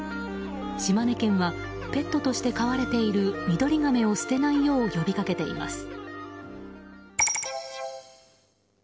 島根県はペットとして飼われているミドリガメを捨てないよう呼びかけています。